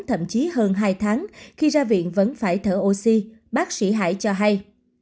thậm chí hơn hai tháng khi ra viện vẫn phải thở oxy bác sĩ hải cho hay